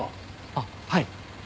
あっはい。